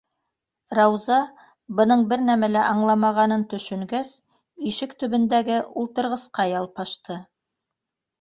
Рауза, бының бер нәмә лә аңламағанын төшөнгәс, ишек төбөндәге ултырғысҡа ялпашты.